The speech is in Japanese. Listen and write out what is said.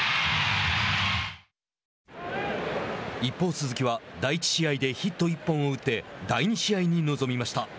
一方、鈴木は第１試合でヒット１本を打って第２試合に臨みました。